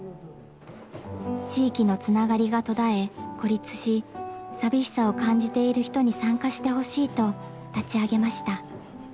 地域のつながりが途絶え孤立し寂しさを感じている人に参加してほしいと立ち上げました。